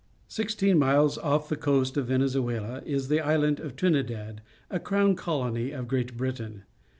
— Sixteen miles off the coast of Venezuela has the island of Trinidad, a crown colony of Great Britain.